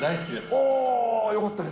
あー、よかったです。